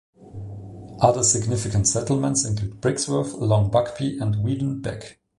Other significant settlements include Brixworth, Long Buckby and Weedon Bec.